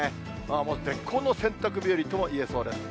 絶好の洗濯日和ともいえそうです。